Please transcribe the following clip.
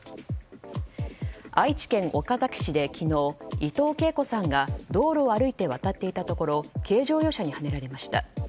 愛知県岡崎市で昨日伊藤敬子さんが道路を歩いて渡っていたところ軽乗用車にはねられました。